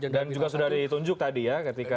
dan juga sudah ditunjuk tadi ya ketika